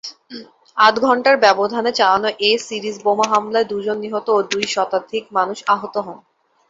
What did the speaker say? আধ ঘণ্টার ব্যবধানে চালানো এ সিরিজ বোমা হামলায় দু’জন নিহত ও দুই শতাধিক মানুষ আহত হন।